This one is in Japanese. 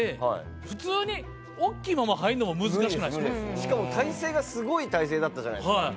しかも体勢がすごい体勢だったじゃないですか。